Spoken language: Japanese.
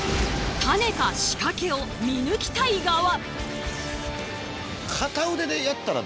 タネか仕掛けを見抜きたい側。